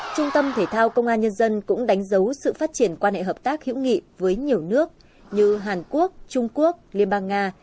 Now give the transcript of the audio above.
trung tâm thể thao công an nhân dân cũng đánh dấu sự phát triển quan hệ hợp tác hữu nghị với nhiều nước như hàn quốc trung quốc liên bang nga